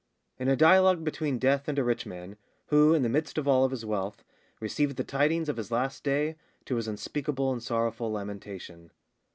IN a Dialogue between Death and a Rich Man; who, in the midst of all his Wealth, received the tidings of his Last Day, to his unspeakable and sorrowful Lamentation.